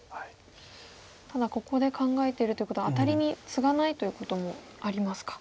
ただここで考えてるということはアタリにツガないということもありますか。